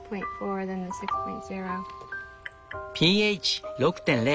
ｐＨ６．０